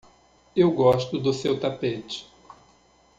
Eu gosto do seu tapete.